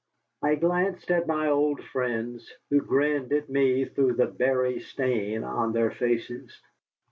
I glanced at my old friends, who grinned at me through the berry stain on their faces.